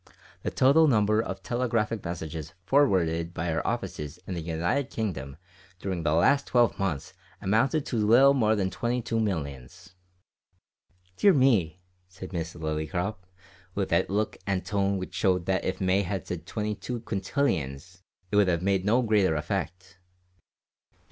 The total number of telegraphic messages forwarded by our offices in the United Kingdom during the last twelve months amounted to a little more than twenty two millions." "Dear me!" said Miss Lillycrop, with that look and tone which showed that if May had said twenty two quintillions it would have had no greater effect.